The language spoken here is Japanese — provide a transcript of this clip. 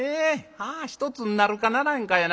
１つになるかならんかやな